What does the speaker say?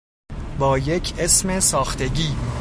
با یک اسم ساختگی